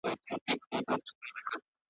نه په داړو کي یې زور سته د څیرلو .